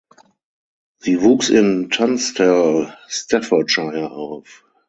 Sie wuchs in Tunstall (Staffordshire) auf.